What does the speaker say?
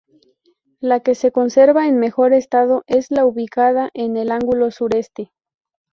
La que se conserva en mejor estado es la ubicada en el ángulo sureste.